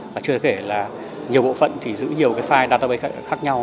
và chưa kể là nhiều bộ phận thì giữ nhiều cái file database khác nhau